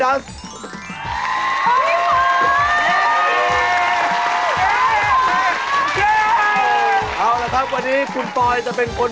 เอ้าให้จีศยอนก่อน